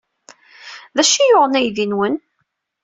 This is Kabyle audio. D acu ay yuɣen aydi-nwen?